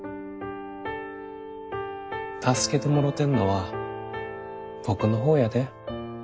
助けてもろてんのは僕の方やで。